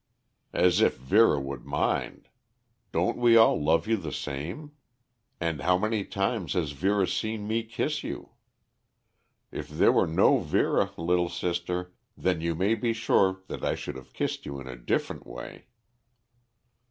"As if Vera would mind! Don't we all love you the same? And how many times has Vera seen me kiss you? If there were no Vera, little sister, then you may be sure that I should have kissed you in a different way!"